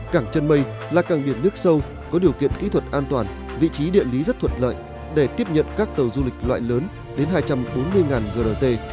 cảng chân mây là càng biển nước sâu có điều kiện kỹ thuật an toàn vị trí địa lý rất thuận lợi để tiếp nhận các tàu du lịch loại lớn đến hai trăm bốn mươi grt